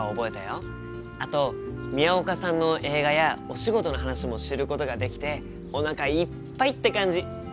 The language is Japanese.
あと宮岡さんの映画やお仕事の話も知ることができておなかいっぱいって感じ！